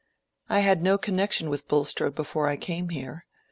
I had no connection with Bulstrode before I came here.